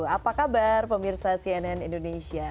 apa kabar pemirsa cnn indonesia